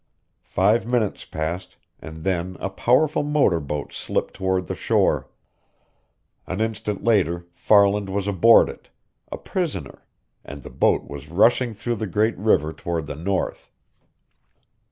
Five minutes passed, and then a powerful motor boat slipped toward the shore. An instant later Farland was aboard it, a prisoner, and the boat was rushing through the great river toward the north.